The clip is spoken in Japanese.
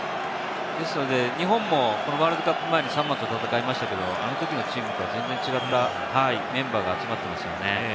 日本もワールドカップ前にサモアと戦いましたけれども、あのときのチームとは全然違ったメンバーが集まっていますよね。